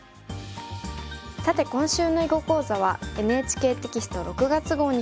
さて今週の囲碁講座はＮＨＫテキスト６月号に詳しく載っています。